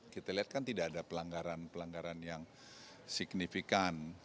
kita lihat kan tidak ada pelanggaran pelanggaran yang signifikan